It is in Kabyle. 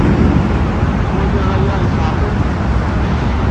Ttwaliɣ aya yesseɛraq-itent.